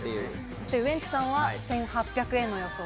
そしてウエンツさんは１８００円。